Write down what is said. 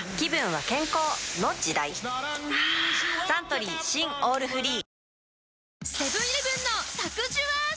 はぁサントリー新「オールフリー」